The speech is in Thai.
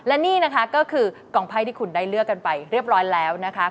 และนี่นะคะก็คือกองไพ่ที่คุณได้เลือกกันไปเรียบร้อยแล้วนะคะ